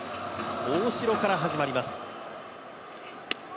大城から始まります。